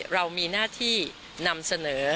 เรามีหน้าที่นำเสนอ